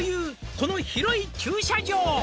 「この広い駐車場」